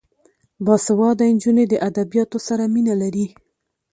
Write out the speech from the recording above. باسواده نجونې د ادبیاتو سره مینه لري.